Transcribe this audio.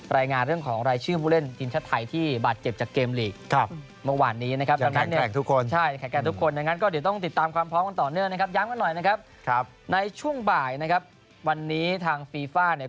รายงานเรื่องของรายชื่อผู้เล่นทีนชัดไทย